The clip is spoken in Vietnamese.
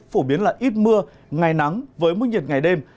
phổ biến là ít mưa ngày nắng với mức nhiệt ngày đêm